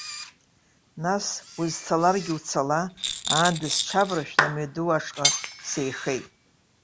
Нас узцаларгьы уцала, аанда сҽаваршәны амҩаду ашҟа сеихеит.